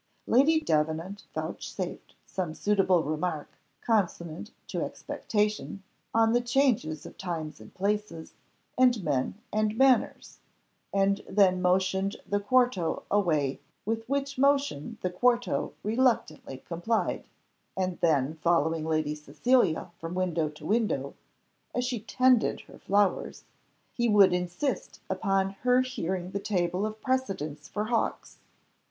Lady Davenant vouchsafed some suitable remark, consonant to expectation, on the changes of times and places, and men and manners, and then motioned the quarto away with which motion the quarto reluctantly complied; and then following Lady Cecilia from window to window, as she tended her flowers, he would insist upon her hearing the table of precedence for hawks.